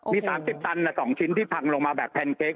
มี๓๐ตัน๒ชิ้นที่พังลงมาแบบแพนเค้ก